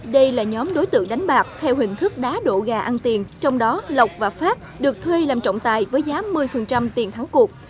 đây là nhóm đối tượng đánh bạc theo hình thức đá đổ gà ăn tiền trong đó lọc và phát được thuê làm trọng tài với giá một mươi tiền thắng cuộc